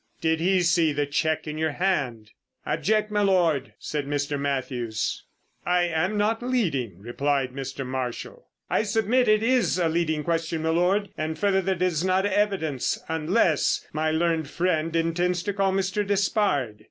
"Did he see the cheque in your hand?" "I object, m' Lord!" said Mr. Mathews. "I am not leading," replied Mr. Marshall. "I submit it is a leading question, m' Lord, and, further, that it is not evidence, unless my learned friend intends to call Mr. Despard."